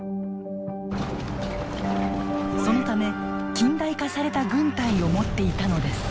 そのため近代化された軍隊を持っていたのです。